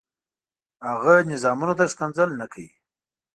هغه نظامونو ته ښکنځل نه کوي.